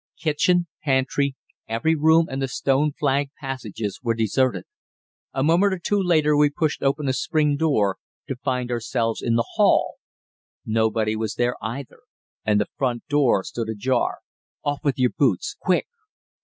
Kitchen, pantry, every room and the stone flagged passages were deserted. A moment or two later we pushed open a spring door, to find ourselves in the hall. Nobody was there either, and the front door stood ajar. "Off with your boots quick!"